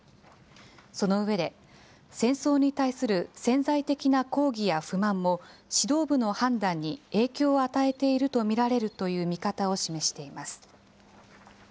その上で、戦争に対する潜在的な抗議や不満も指導部の判断に影響を与えていると見られるという見方を示しています。